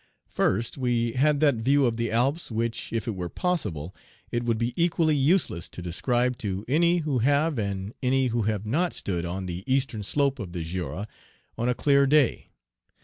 First, we had that view of the Alps, which, if it were possible, it would be equally useless to describe to any who have and any who have not stood on the eastern slope of the Jura on a clear day.